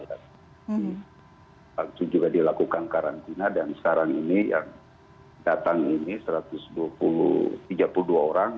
waktu juga dilakukan karantina dan sekarang ini yang datang ini satu ratus tiga puluh dua orang